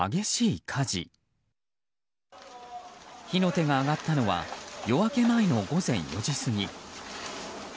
火の手が上がったのは夜明け前の午前４時過ぎ。